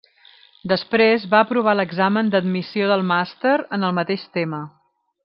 Després va aprovar l'examen d'admissió del Màster en el mateix tema.